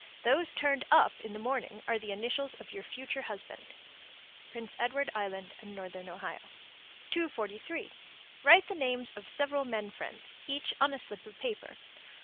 Those turned up in the morning are the initials of your future husband. Prince Edward Island and Northern Ohio. 243. Write the names of several men friends, each on a slip of paper.